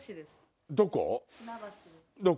どこ？